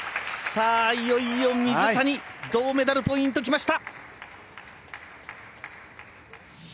いよいよ水谷銅メダルポイントきました！